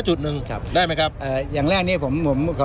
จุดหนึ่งครับได้ไหมครับเอ่ออย่างแรกนี้ผมผมขอ